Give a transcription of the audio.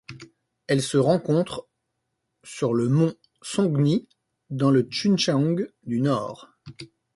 Elle se rencontre sur le mont Songni dans le Chungcheong du Nord.